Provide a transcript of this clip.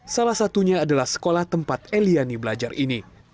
salah satunya adalah sekolah tempat eliani belajar ini